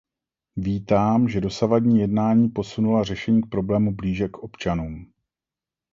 Vítám, že dosavadní jednání posunula řešení problému blíže k občanům.